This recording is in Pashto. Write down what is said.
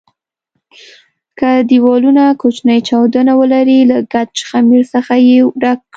که دېوالونه کوچني چاودونه ولري له ګچ خمېرې څخه یې ډک کړئ.